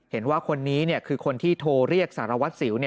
เห็นว่าคนนี้คือคนที่โทรเรียกสารวัตรสิว